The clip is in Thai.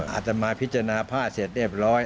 อาตมาพิจารณาผ้าเสร็จเรียบร้อย